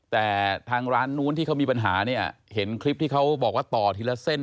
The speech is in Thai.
แต่ทางร้านนู้นที่เขามีปัญหาเนี่ยเห็นคลิปที่เขาบอกว่าต่อทีละเส้น